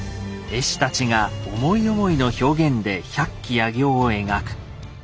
絵師たちが思い思いの表現で百鬼夜行を描く。